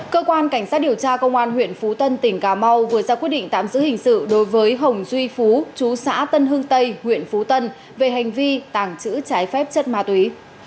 cơ quan cảnh sát điều tra công an huyện phú tân tỉnh cà mau vừa ra quyết định tạm giữ hình sự đối với hồng duy phú chú xã tân hưng tây huyện phú tân về hành vi tàng trữ trái phép chất ma túy